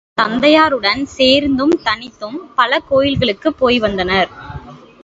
தந்தையாருடன் சேர்ந்தும், தனித்தும் பல கோயில்களுக்குப் போய் வந்தவர்.